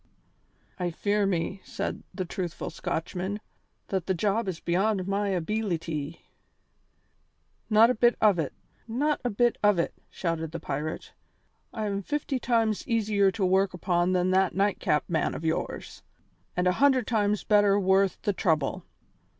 "I fear me," said the truthful Scotchman, "that the job is beyond my abeelity." "Not a bit of it, not a bit of it," shouted the pirate. "I am fifty times easier to work upon than that Nightcap man of yours, and a hundred times better worth the trouble.